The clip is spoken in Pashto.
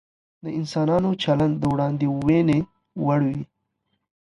د انسانانو چلند د وړاندوينې وړ وي.